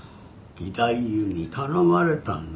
義太夫に頼まれたんだ。